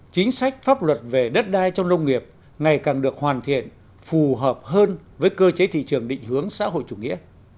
chính sách pháp luật về đất đai trong nông nghiệp ngày càng được hoàn thiện phù hợp hơn với cơ chế thị trường định hướng xã hội chủ nghĩa